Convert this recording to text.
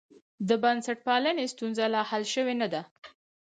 د بنسټپالنې ستونزه لا حل شوې نه ده.